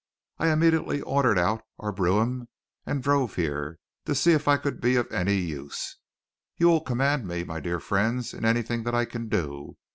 I immediately ordered out our brougham and drove here to see if I could be of any use. You will command me, my dear friends, in anything that I can do.